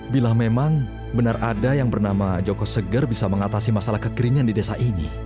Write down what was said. bila memang benar ada yang bernama joko seger bisa mengatasi masalah kekeringan di desa ini